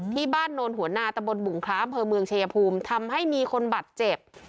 ที่บ้านโน่นหัวหน้าตะบลบุงคล้ำเผอเมืองเชยภูมิทำให้มีคนบัดเจ็บ